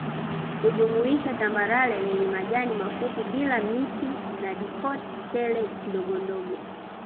Hujumuisha tambarare lenye majani mafupi bila miti na dicot tele ndogondogo